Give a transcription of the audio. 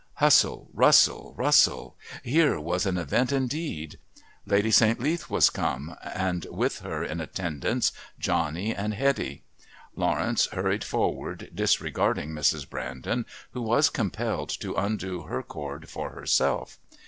Hustle, rustle, rustle here was an event indeed! Lady St. Leath was come, and with her in attendance Johnny and Hetty. Lawrence hurried forward, disregarding Mrs. Brandon, who was compelled to undo her cord for herself.